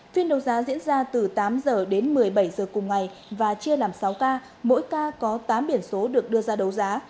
phiên đấu giá diễn ra từ tám h đến một mươi bảy h cùng ngày và chia làm sáu k mỗi k có tám biển số được đưa ra đấu giá